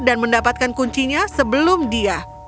dan mendapatkan kuncinya sebelum dia